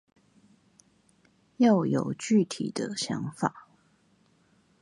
要有具體的想法